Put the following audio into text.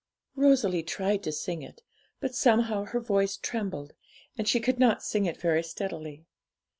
Rosalie tried to sing it; but somehow her voice trembled, and she could not sing it very steadily.